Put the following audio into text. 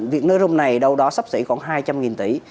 việc nối rung này đâu đó sắp xỉ còn hai trăm linh tỷ